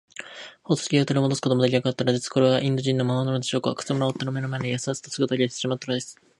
宝石をとりもどすこともできなかったのです。これがインド人の魔法なのでしょうか。くせ者は追っ手の目の前で、やすやすと姿を消してしまったのです。